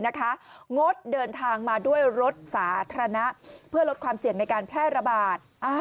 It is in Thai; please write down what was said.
งดเดินทางมาด้วยรถสาธารณะเพื่อลดความเสี่ยงในการแพร่ระบาด